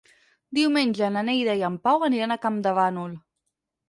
Diumenge na Neida i en Pau aniran a Campdevànol.